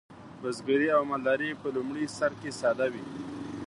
بزګري او مالداري په لومړي سر کې ساده وې.